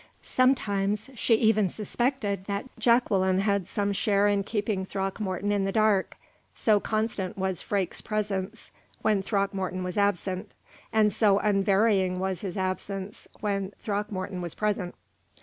Sometimes she even suspected that Jacqueline had some share in keeping Throckmorton in the dark, so constant was Freke's presence when Throckmorton was absent, and so unvarying was his absence when Throckmorton was present.